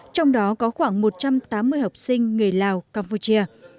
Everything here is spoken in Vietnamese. trong đó có khoảng một trăm tám mươi học sinh người lào campuchia